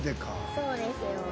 そうですよ。